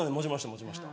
待ちました。